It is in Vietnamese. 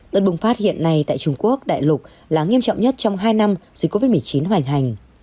đợt bùng phát hiện nay tại trung quốc đại lục là nghiêm trọng nhất trong hai năm dịch covid một mươi chín hoành hành